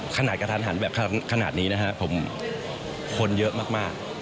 กระทันหันแบบขนาดนี้นะฮะผมคนเยอะมาก